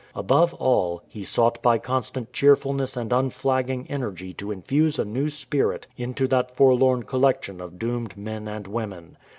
Above all, he sought by constant cheerfulness and unflagging energy to infuse a new spirit into that forlorn collection of doomed men and women.